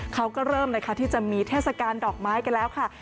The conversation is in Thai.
เขาก็เริ่มเลยค่ะที่จะมีเทศกาลดอกไม้กันแล้วค่ะ